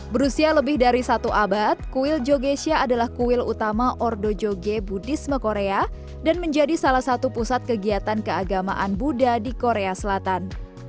berusia lebih dari satu abad kuil jogesia adalah kuil utama ordo joge budisme korea dan menjadi salah satu pusat kegiatan keagamaan buddha di korea selatan